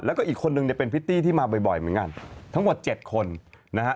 แล้วก็อีกคนนึงเนี่ยเป็นพริตตี้ที่มาบ่อยเหมือนกันทั้งหมดเจ็ดคนนะฮะ